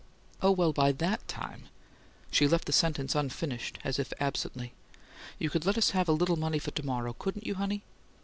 "Oh, well, by THAT time " She left the sentence unfinished, as if absently. "You could let us have a little money for to morrow, couldn't you, honey?"